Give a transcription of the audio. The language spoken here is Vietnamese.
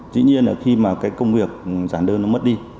tuy nhiên là khi công việc giản đơn mất đi